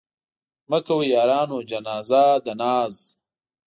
مه کوئ يارانو جنازه د ناز